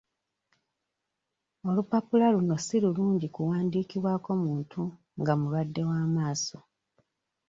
Olupapula luno si lulungi kuwandiikibwako muntu nga mulwadde w'amaaso.